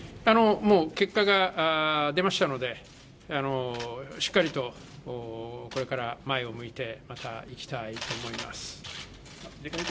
結果が出ましたので、しっかりとこれから前を向いてまた、いきたいと思います。